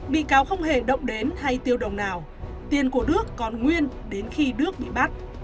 bị cáo không hề động đến hay tiêu đồng nào tiền của đước còn nguyên đến khi đước bị bắt